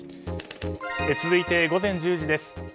続いて午前１０時です。